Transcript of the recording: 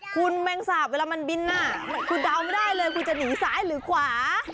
คุณแมงสาบเวลามันบินคุณเดาไม่ได้เลยคุณจะหนีซ้ายหรือขวา